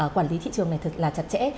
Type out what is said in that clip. quản lý thị trường này thật là chặt chẽ